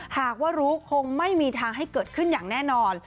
หากว่ารู้คงไม่มีทางให้เกิดขึ้นอย่างแน่นอน